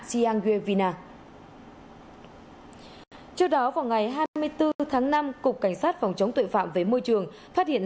iang gevina trước đó vào ngày hai mươi bốn tháng năm cục cảnh sát phòng chống tội phạm với môi trường phát hiện